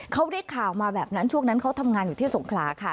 เขาได้ข่าวมาแบบนั้นช่วงนั้นเขาทำงานอยู่ที่สงขลาค่ะ